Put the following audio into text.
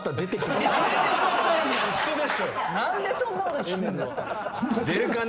何でそんなこと聞くんですか。